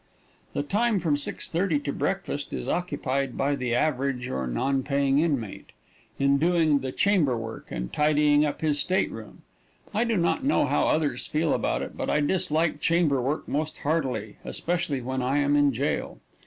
The time from 6:30 to breakfast is occupied by the average, or non paying inmate, in doing the chamberwork and tidying up his state room. I do not know how others feel about it, but I dislike chamberwork most heartily, especially when I am in jail.